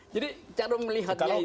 jadi cara melihatnya itu